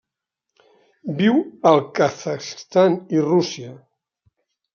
Viu al Kazakhstan i Rússia.